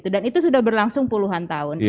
dan itu sudah berlangsung puluhan tahun